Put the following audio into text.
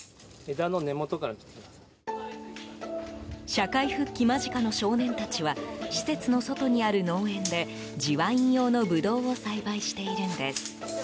社会復帰間近の少年たちは施設の外にある農園で地ワイン用のブドウを栽培しているんです。